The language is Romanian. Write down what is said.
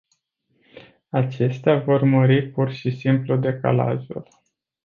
Acestea vor mări pur și simplu decalajul.